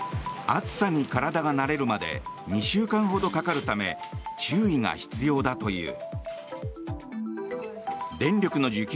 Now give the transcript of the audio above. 暑さに体が慣れるまで２週間ほどかかるため注意が必要だという。